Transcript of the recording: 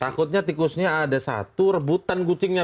takutnya tikusnya ada satu rebutan kucingnya